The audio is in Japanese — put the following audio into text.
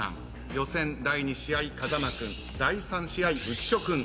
予選第２試合風間君第３試合浮所君。